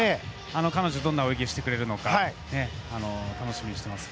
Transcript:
彼女どんな泳ぎをしてくれるか楽しみにしています。